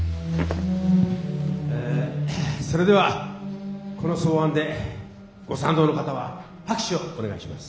えそれではこの草案でご賛同の方は拍手をお願いします。